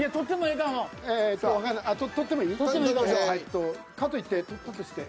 えっとかといって取ったとして。